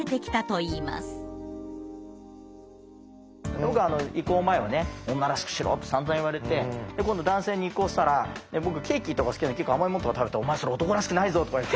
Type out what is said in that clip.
僕移行前はね「女らしくしろ」ってさんざん言われて今度男性に移行したら僕ケーキとか好きなので結構甘いもんとか食べたら「お前それ男らしくないぞ」とか言われて。